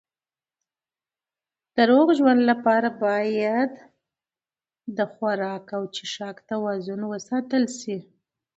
د روغ ژوند لپاره باید د خوراک او څښاک توازن وساتل شي.